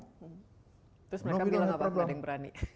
terus mereka bilang apa yang berani